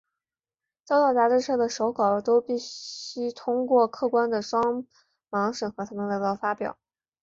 交到杂志社的手稿都须通过客观的双盲审核才能得到发表。